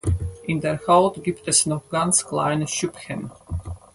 In der Haut gibt es noch ganz kleine Schüppchen.